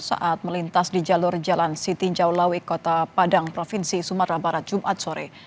saat melintas di jalur jalan sitinjau lawe kota padang provinsi sumatera barat jumat sore